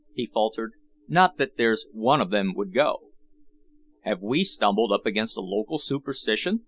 he faltered; "not that there's one of them would go." "Have we stumbled up against a local superstition?"